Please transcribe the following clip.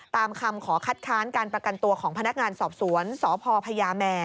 ตามคำขอคัดค้านการประกันตัวของพนักงานสอบสวนสพพญาแมร์